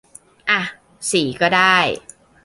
อ่ะ สี่ก็ได้